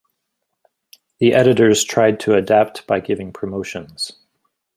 The editors tried to adapt by giving promotions.